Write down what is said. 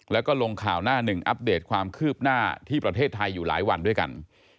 แล้วก็ลงข่าวหน้าหนึ่งอัปเดตความคืบหน้าที่ประเทศไทยอยู่หลายวันด้วยกัน